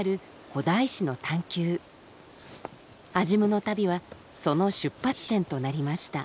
安心院の旅はその出発点となりました。